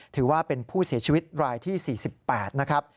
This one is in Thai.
ถือว่าเป็นผู้เสียชีวิตรายที่๔๘นะครับ